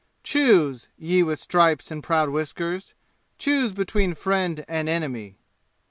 Choose, ye with stripes and proud whiskers, choose between friend and enemy.